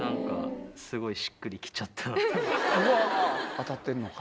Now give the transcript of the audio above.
当たってるのか